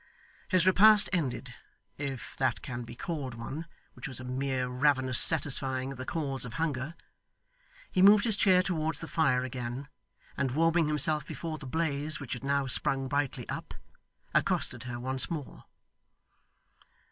His repast ended if that can be called one, which was a mere ravenous satisfying of the calls of hunger he moved his chair towards the fire again, and warming himself before the blaze which had now sprung brightly up, accosted her once more.